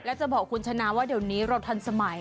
แล้วจะบอกคุณชนะว่าเดี๋ยวนี้เราทันสมัย